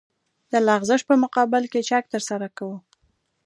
د لغزش په مقابل کې چک ترسره کوو